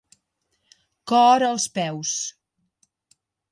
Cor als peus.